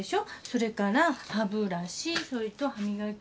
それから歯ブラシそれと歯磨き粉に。